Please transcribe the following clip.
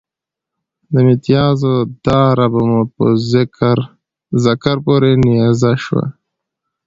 د متیازو داره به مو په ذکر پورې نیزه شوه.